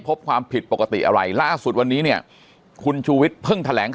พบความผิดปกติอะไรล่าสุดวันนี้เนี่ยคุณชูวิทย์เพิ่งแถลงข่าว